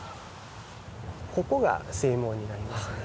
ここが正門になりますね。